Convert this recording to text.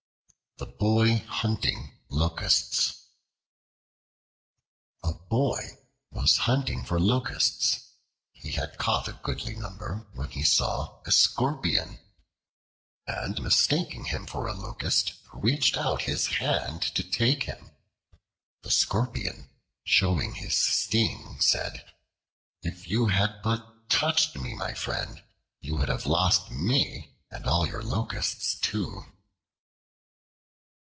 The Boy Hunting Locusts A BOY was hunting for locusts. He had caught a goodly number, when he saw a Scorpion, and mistaking him for a locust, reached out his hand to take him. The Scorpion, showing his sting, said: "If you had but touched me, my friend, you would have lost me, and all your locusts too!"